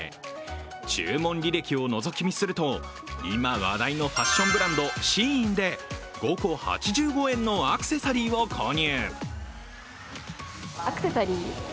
注文履歴をのぞき見すると今話題のファッションブランドＳＨＥＩＮで５個８５円のアクセサリーを購入。